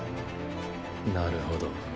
なるほど。